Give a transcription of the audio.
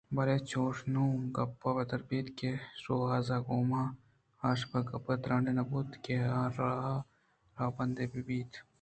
بلئے انچوش نوں گپ پدّر بنت کہ شوازر ءِ گوما آ شپ ءِ گپ ءُترٛانے نہ بوت کہ ہر راہءُدر بند بوت